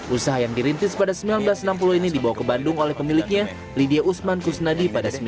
usaha yang dirintis pada seribu sembilan ratus enam puluh ini dibawa ke bandung oleh pemiliknya lydia usman kusnadi pada seribu sembilan ratus sembilan puluh